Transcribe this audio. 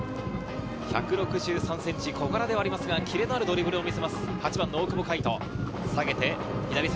１６３ｃｍ、小柄ではありますが、キレのあるドリブルを見せます、大久保帆人。